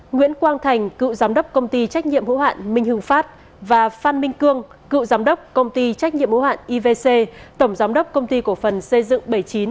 nguyễn quang thành cựu giám đốc công ty trách nhiệm hữu hạn minh hưng pháp và phan minh cương cựu giám đốc công ty trách nhiệm hữu hạn ivc tổng giám đốc công ty cổ phần xây dựng bảy mươi chín